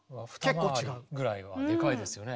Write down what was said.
二回りぐらいはでかいですよね。